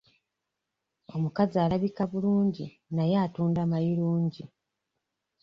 Omukazi alabika bulungi naye atunda mayirungi.